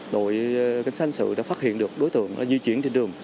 đội canh sát hình sự đã phát hiện được đối tượng đã di chuyển trên đường